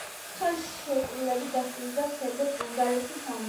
ხელშეკრულებით დასრულდა სერბეთ-ბულგარეთის ომი.